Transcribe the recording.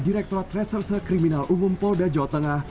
direktorat reserse kriminal umum polda jawa tengah